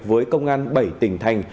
với công an bảy tỉnh thành